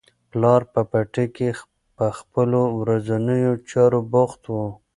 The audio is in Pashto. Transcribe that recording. پلار په پټي کې په خپلو ورځنیو چارو بوخت و.